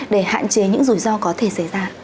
để hạn chế những rủi ro có thể xảy ra